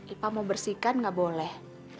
ipa mau bersihkan nggak boleh